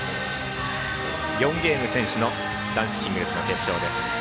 ４ゲーム先取の男子シングルスの決勝です。